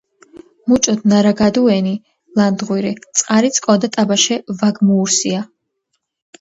მუჭოთ ნარაგადუენი ლანდღვირი წყარი წკონდა ტობაშე ვეგმუურსია.